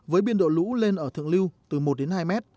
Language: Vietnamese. với biên độ lũ lên ở thượng lưu từ một đến hai mét